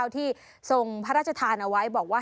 ที่ทรงพระราชทานเอาไว้บอกว่า